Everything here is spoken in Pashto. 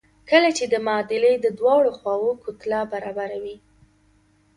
کله چې د معادلې د دواړو خواوو کتله برابره وي.